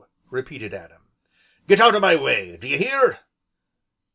repeated Adam. "Get out o' my way, d'ye hear?"